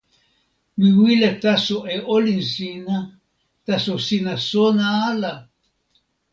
mi wile taso e olin sina, taso sina sona ala.